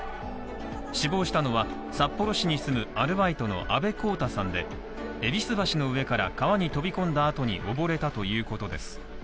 死亡したのは札幌市に住むアルバイトの阿部晃太さんで、戎橋の上から川に飛び込んだ後に溺れたということです。